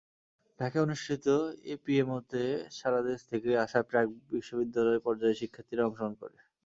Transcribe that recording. ঢাকায় অনুষ্ঠিত এপিএমওতে সারা দেশ থেকে আসা প্রাক্-বিশ্ববিদ্যালয় পর্যায়ের শিক্ষার্থীরা অংশগ্রহণ করে।